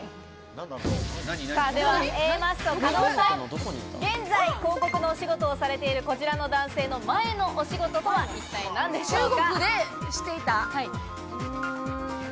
ではＡマッソ・加納さん、現在、広告のお仕事をされているこちらの男性の前のお仕事とは一体何でしょうか？